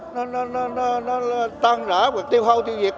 nó nó nó nó tan rã hoặc tiêu hóa tiêu diệt